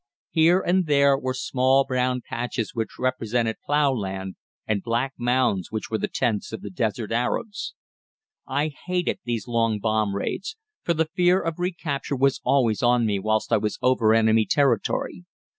Here and there were small brown patches which represented plough land, and black mounds, which were the tents of the desert Arabs. I hated these long bomb raids, for the fear of recapture was always on me whilst I was over enemy territory.